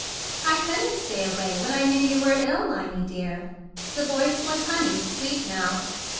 "I couldn't stay away when I knew you were ill, Lyme, dear!" The voice was honeyed sweet now.